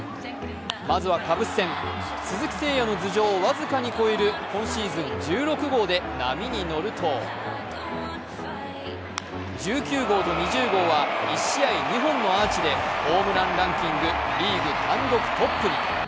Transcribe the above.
まずはカブス戦、鈴木誠也の頭上を僅かに越える今シーズン１６号で波に乗ると１９号と２０号は１試合２本のアーチでホームランランキングリーグ単独トップに。